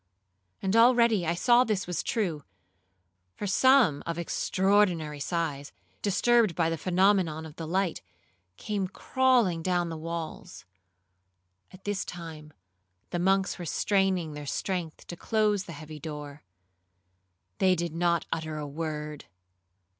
And already I saw this was true, for some of extraordinary size, disturbed by the phenomenon of the light, came crawling down the walls. All this time the monks were straining their strength to close the heavy door; they did not utter a word.